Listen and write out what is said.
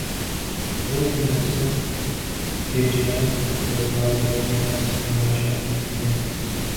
وہ یہ مقصد ہیجان برپا کر کے حاصل کرنا چاہتے ہیں۔